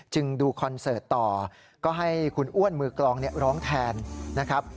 ดูคอนเสิร์ตต่อก็ให้คุณอ้วนมือกลองร้องแทนนะครับ